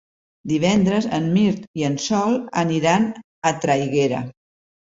Divendres en Mirt i en Sol aniran a Traiguera.